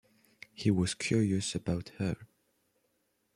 He was curious about her.